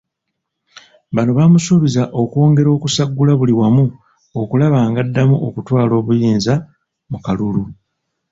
Bano baamusuubizza okwongera okusaggula buli wamu okulaba ng'addamu okutwala obuyinza mu kalulu.